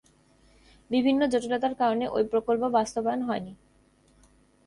বিভিন্ন জটিলতার কারণে ঐ প্রকল্প বাস্তবায়ন হয়নি।